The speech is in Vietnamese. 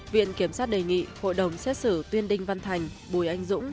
viện kiểm sát đề nghị hội đồng xét xử tuyên đinh văn thành bùi anh dũng